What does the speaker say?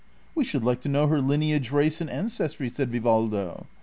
'• We should like to know her lineage, race, and ancestry," said Vivaldo.